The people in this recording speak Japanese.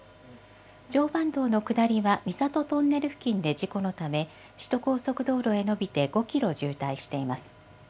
常磐道の下りは三郷トンネル付近で事故のため、首都高速道路へ延びて５キロ渋滞しています。